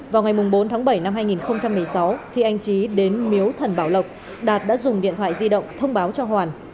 vào ngày bốn tháng bảy năm hai nghìn một mươi sáu khi anh trí đến miếu thần bảo lộc đạt đã dùng điện thoại di động thông báo cho hoàn